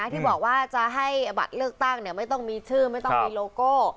ที่บอกว่าจะให้บัตรเลือกตั้งไม่ต้องมีชื่อไม่ต้องมีโลโก้